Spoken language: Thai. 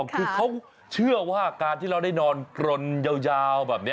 คือเขาเชื่อว่าการที่เราได้นอนกรนยาวแบบนี้